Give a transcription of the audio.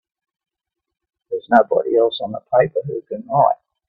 There's nobody else on the paper who can write!